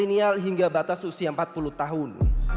dan kelinial hingga batas usia empat puluh tahun